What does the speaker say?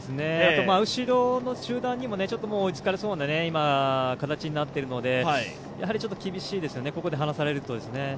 後ろの集団にも追いつかれそうな形になっているのでやはりちょっと厳しいですよね、ここで離されるとね。